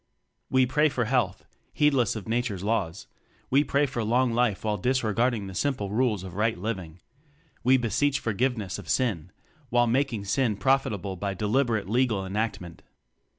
We ^ pray for health, heedless of nature's laws; we pray for long life while disregarding the simple rules of right living; we beseech forgive ness of "sin" while making sin profitable by deliberate legal enact ment.